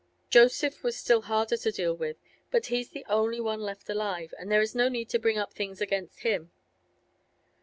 Joseph was still harder to deal with; but he's the only one left alive, and there is no need to bring up things against him.